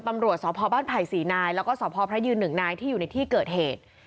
ตำรวจสพบ้านไผ่๔นายแล้วก็สพพระยืนหนึ่งนายที่อยู่ในที่เกิดเหตุ